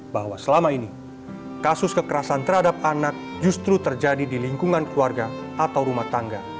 bahwa selama ini kasus kekerasan terhadap anak justru terjadi di lingkungan keluarga atau rumah tangga